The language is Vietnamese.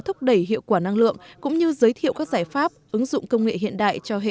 thúc đẩy hiệu quả năng lượng cũng như giới thiệu các giải pháp ứng dụng công nghệ hiện đại cho hệ